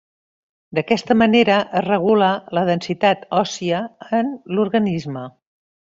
D’aquesta manera es regula la densitat òssia en l’organisme.